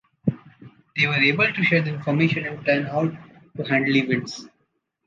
They were able to share information and plan how to handle events.